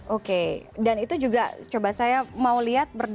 oke dan itu juga coba saya mau lihat